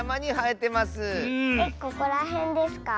えっここらへんですか？